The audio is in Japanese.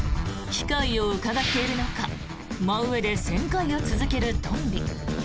機会をうかがっているのか真上で旋回を続けるトンビ。